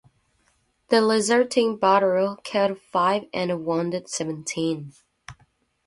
The resulting battle killed five and wounded seventeen.